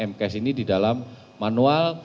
mks ini di dalam manual